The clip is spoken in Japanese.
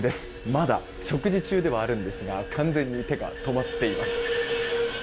まだ食事中ではあるんですが完全に手が止まっています。